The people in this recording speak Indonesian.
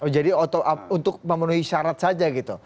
jadi untuk memenuhi syarat saja gitu